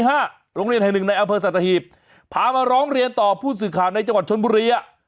หลงเรียน๕๑ในอำเภอสัตว์ตะหิบพามาร้องเรียนต่อผู้สืบขาดในจังหวัดชนบุรี